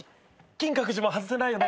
『金閣寺』も外せないよね。